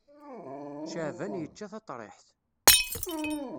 Caɛban yečča taḍriḥt.